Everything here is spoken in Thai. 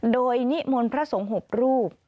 โดยนิมนต์พระสงฆ์๖รูป